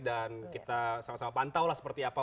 dan kita sama sama pantau lah seperti apa